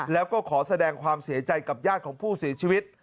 แล้วก็ขอแสดงความเสียใจกับญาติของผู้เสียชีวิต